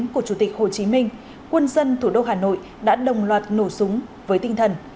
của chủ tịch hồ chí minh quân dân thủ đô hà nội đã đồng loạt nổ súng với tinh thần